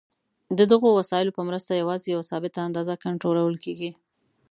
د دغو وسایلو په مرسته یوازې یوه ثابته اندازه کنټرول کېږي.